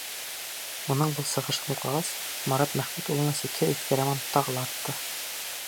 Уның был сығышын уҡығас, Марат Мәхмүт улына сикһеҙ ихтирамым тағы ла артты.